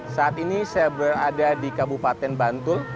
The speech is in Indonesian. saat ini saya berada di kabupaten bantul